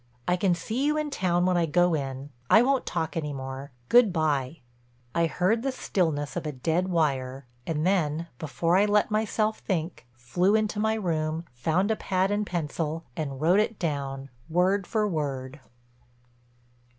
I can see you in town when I go in. I won't talk any more. Good by." I heard the stillness of a dead wire and then before I let myself think, flew into my room, found a pad and pencil and wrote it down word for word.